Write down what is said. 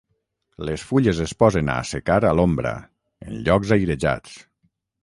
Les fulles es posen a assecar a l'ombra, en llocs airejats.